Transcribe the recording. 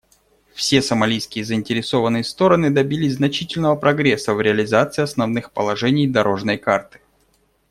Все сомалийские заинтересованные стороны добились значительного прогресса в реализации основных положений «дорожной карты».